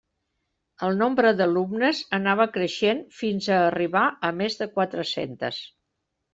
El nombre d’alumnes anava creixent fins a arribar a més de quatre-centes.